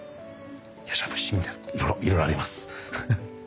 ヤシャブシみたいないろいろあります。